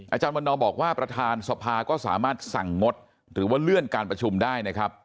อาจารย์วันนอบอกว่าประธานสภาก็สามารถสั่งงดหรือว่าเลื่อนการประชุมได้นะครับ